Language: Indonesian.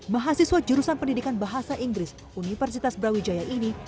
mahasiswa jurusan pendidikan bahasa inggris universitas brawijaya ini